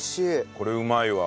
これうまいわ。